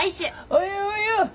およおよ。